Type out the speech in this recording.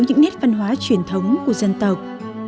những nét văn hóa truyền thống của dân tộc